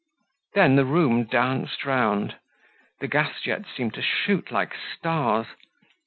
Then the room danced round, the gas jets seemed to shoot like stars.